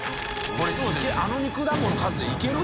海あの肉団子の数でいける？